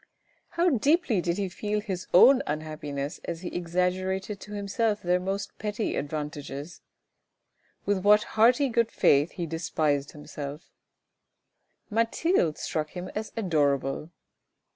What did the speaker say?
How deeply did he feel his own unhappiness as he exaggerated to himself their most petty advantages. With what hearty good faith he despised himself. CRUEL MOMENTS 359 Mathilde struck him as adorable.